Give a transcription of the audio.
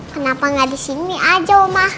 kenapa nggak di sini aja oma